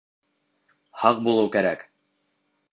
Һаҡ булыу кәрәк